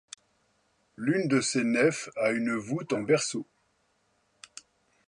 L'une de ces nefs a une voûte en berceau.